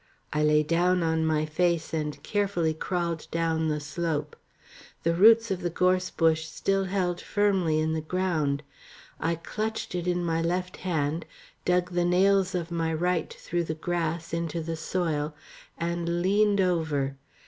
I lay down on my face and carefully crawled down the slope. The roots of the gorse bush still held firmly in the ground. I clutched it in my left hand, dug the nails of my right through the grass into the soil and leaned over.